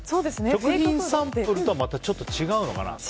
食品サンプルとはまたちょっと違うのかな？